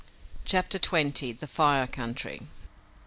CHAPTER XX. THE FIRE COUNTRY.